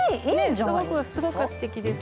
すごくすてきです。